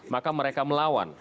maka mereka melawan